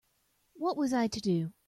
What was I to do?